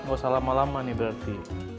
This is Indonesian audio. gak usah lama lama nih berarti